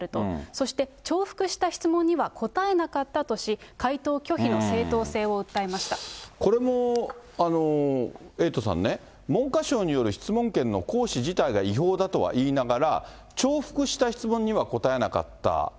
そして、重複した質問には答えなかったとし、これもエイトさんね、文科省による質問権の行使自体が違法だとはいいながら、重複した質問には答えなかった。